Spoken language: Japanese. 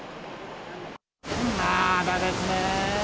まだですねぇ。